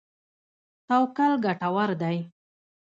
توکل ګټور دی.